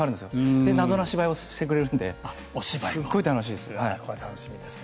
で、謎のお芝居をしてくれるんでそれは楽しみですね。